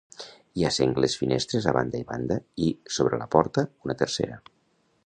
Hi ha sengles finestres a banda i banda i, sobre la porta, una tercera.